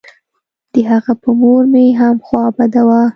د هغه په مور مې هم خوا بده وه.